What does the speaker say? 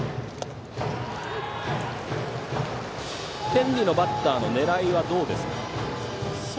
天理のバッターの狙いはどうですか。